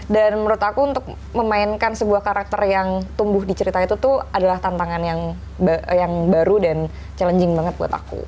dan menurut aku untuk memainkan sebuah karakter yang tumbuh di cerita itu tuh adalah tantangan yang baru dan challenging banget buat aku